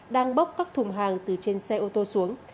đang bốc các thùng hàng từ trên xe ô tô xuống